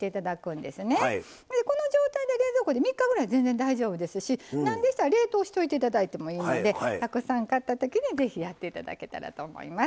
この状態で冷蔵庫で３日ぐらい全然大丈夫ですしなんでしたら冷凍しといて頂いてもいいのでたくさん買った時にぜひやって頂けたらと思います。